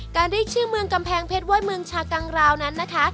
เรียกชื่อเมืองกำแพงเพชรว่าเมืองชากังราวนั้นนะคะ